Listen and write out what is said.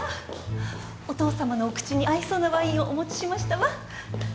お父さまのお口に合いそうなワインをお持ちしましたわ。